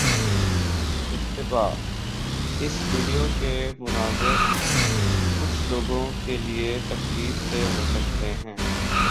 انتباہ: اس ویڈیو کے مناظر کچھ لوگوں کے لیے تکلیف دہ ہو سکتے ہیں